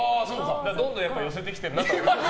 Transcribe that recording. どんどん、寄せてきてるなとは。